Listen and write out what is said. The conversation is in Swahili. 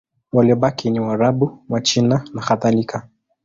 Waliobaki ni Waarabu, Wachina nakadhalika.